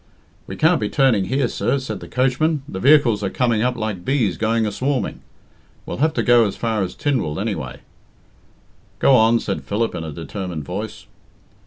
"We can't be turning here, sir," said the coachman. "The vehicles are coming up like bees going a swarming. We'll have to go as far as Tynwald, anyway." "Go on," said Philip in a determined voice.